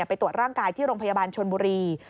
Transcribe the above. ไปตรวจร่างกายที่โรงพยาบาลชนบุรี